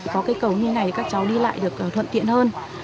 có cây cầu như này các cháu đi lại được thuận tiện hơn